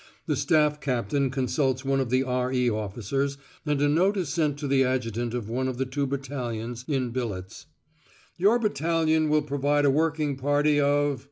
The Staff Captain consults one of the R.E. officers, and a note is sent to the Adjutant of one of the two battalions in billets: "Your battalion will provide a working party of